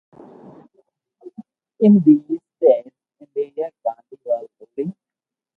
In these days Indira Gandhi was ruling.